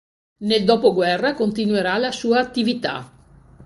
Nel dopoguerra continuerà la sua attività.